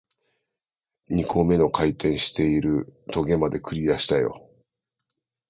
二個目の回転している棘まで、クリアしたよ